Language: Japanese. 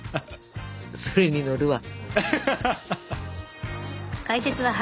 それに乗るわ。